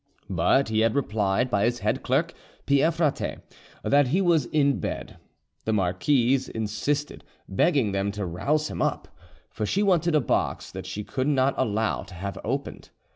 But he had replied by his head clerk, Pierre Frater, that he was in bed; the marquise insisted, begging them to rouse him up, for she wanted a box that she could not allow to have opened.